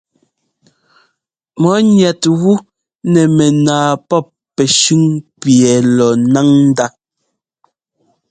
Mɔ̌ ŋɛt wú nɛ mɛnaa pɔ́p pɛ́shʉn pi ɛ́ lɔ ńnáŋ ndá.